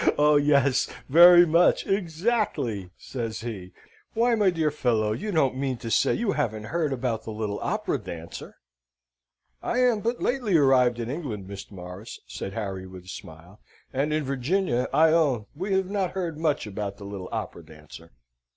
"Oh yes! very much! exactly!" says he. "Why, my dear fellow, you don't mean to say you haven't heard about the little Opera dancer?" "I am but lately arrived in England, Mr. Morris," said Harry, with a smile, "and in Virginia, I own, we have not heard much about the little Opera dancer."